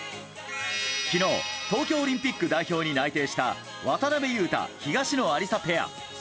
昨日、東京オリンピック代表に内定した渡辺勇大、東野有紗ペア。